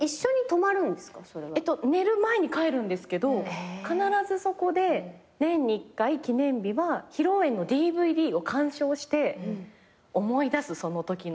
寝る前に帰るんですけど必ずそこで年に１回記念日は披露宴のＤＶＤを観賞して思い出すそのときの。